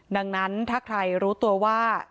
ดังนั้นถ้าใครรู้ตัวว่า